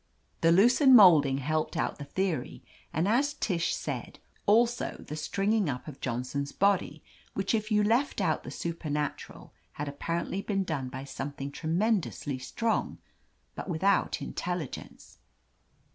The loos ened molding helped out the theory, and as Tish said, als ^ ^he strii.ging up of Johnson's body, which, if >^.. k ■ t out the supernatural, had apparently been done by something tre mendously strong, but without intelligence.